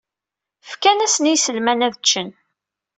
Fkan-asen i yiselman ad ččen.